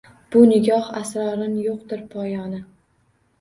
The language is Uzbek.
Bu nigoh asrorin yo’qdir poyoni.